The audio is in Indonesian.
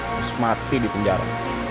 terus mati di penjara